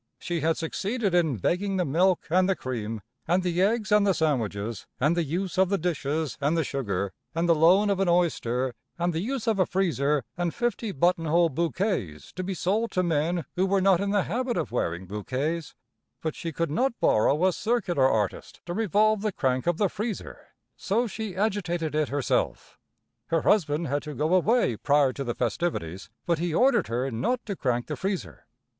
She had succeeded in begging the milk and the cream, and the eggs and the sandwiches, and the use of the dishes and the sugar, and the loan of an oyster, and the use of a freezer and fifty button hole bouquets to be sold to men who were not in the habit of wearing bouquets, but she could not borrow a circular artist to revolve the crank of the freezer, so she agitated it herself. Her husband had to go away prior to the festivities, but he ordered her not to crank the freezer.